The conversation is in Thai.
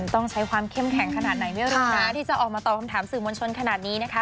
ต้องใช้ความเข้มแข็งขนาดไหนไม่รู้นะที่จะออกมาตอบคำถามสื่อมวลชนขนาดนี้นะคะ